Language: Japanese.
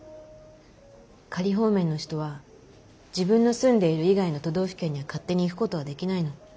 仮放免の人は自分の住んでいる以外の都道府県には勝手に行くことはできないの。